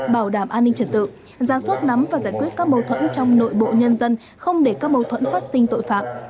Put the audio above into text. bảo đảm an ninh trật tự ra soát nắm và giải quyết các mâu thuẫn trong nội bộ nhân dân không để các mâu thuẫn phát sinh tội phạm